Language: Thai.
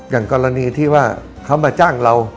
อย่างกรณีที่ว่าเขามาจ้างเรา